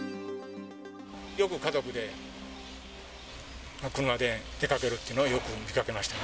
よく家族で車で出かけるっていうのは、よく見かけましたね。